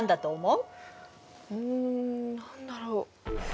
うん何だろう。